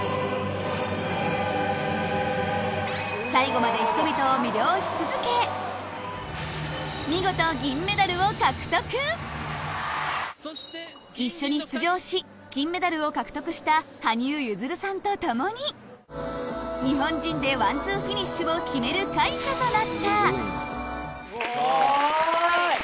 最後まで見事一緒に出場し金メダルを獲得した羽生結弦さんと共に日本人でワンツーフィニッシュを決める緊張とか。